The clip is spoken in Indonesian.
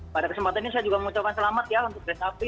pada kesempatan ini saya juga mengucapkan selamat ya untuk kereta api